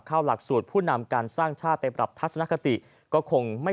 หลักสูตรผู้นำการสร้างชาติไปปรับทัศนคติก็คงไม่